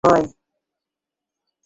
কুমুদ বলিল, কিসের ভয়?